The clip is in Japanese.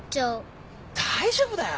大丈夫だよ。